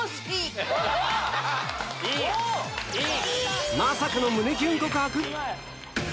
いい！